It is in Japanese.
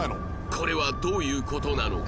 これはどういう事なのか？